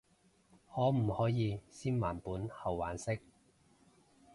可唔可以先還本後還息？